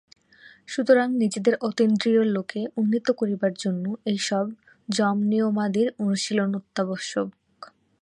সুতরাং নিজেদের অতীন্দ্রিয়-লোকে উন্নীত করিবার জন্য এইসব যমনিয়মাদির অনুশীলন অত্যাবশ্যক।